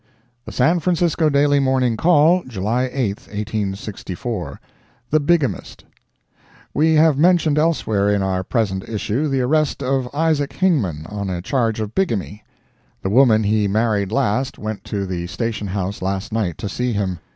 The San Francisco Daily Morning Call, July 8,1864 THE BIGAMIST We have mentioned elsewhere in our present issue the arrest of Isaac Hingman, on a charge of bigamy. The woman he married last, went to the station house last night to see him.